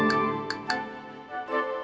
makasih ya kak